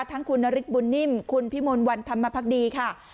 ทั้งคุณนฤทธบุญนิ่มคุณพิมลวันธรรมพักดีค่ะ